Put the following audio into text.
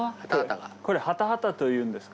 これハタハタというんですか？